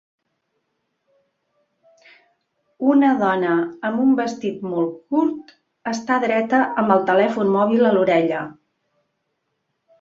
Una dona amb un vestit molt curt està dreta amb el telèfon mòbil a l'orella.